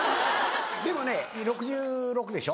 でもね６６歳でしょ？